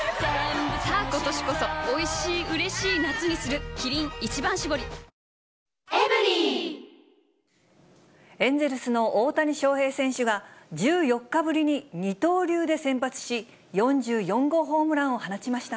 本麒麟エンゼルスの大谷翔平選手が１４日ぶりに二刀流で先発し、４４号ホームランを放ちました。